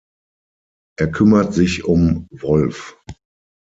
Er kümmert sich um Wolf.